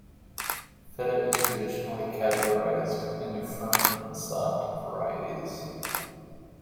Feta is traditionally categorized into "firm" and "soft" varieties.